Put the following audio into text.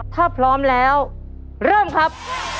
ถ้าพร้อมแล้วเริ่มครับ